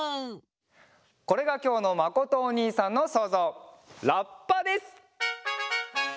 これがきょうのまことおにいさんのそうぞう「ラッパ」です！